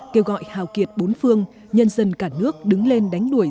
kêu gọi hào kiệt bốn phương nhân dân cả nước đứng lên đánh đuổi